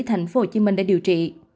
thành phố hồ chí minh để điều trị